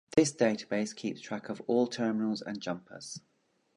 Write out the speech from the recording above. This database keeps track of all terminals and jumpers.